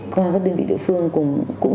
các đơn vị địa phương cũng